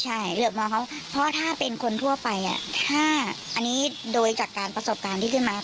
ใช่เหลือบมองเขาเพราะถ้าเป็นคนทั่วไปถ้าอันนี้โดยจากการประสบการณ์ที่ขึ้นมา